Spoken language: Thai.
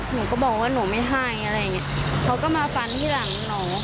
หนูก็บอกว่าหนูไม่ให้อะไรอย่างเงี้ยเขาก็มาฟันที่หลังหนู